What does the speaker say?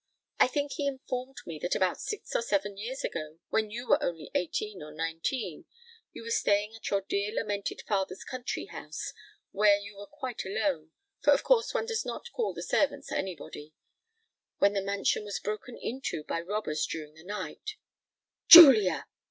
I think he informed me that about six or seven years ago—when you were only eighteen or nineteen—you were staying at your dear lamented father's country house, where you were quite alone—for of course one does not call the servants anybody; when the mansion was broken into by robbers during the night——" "Julia!"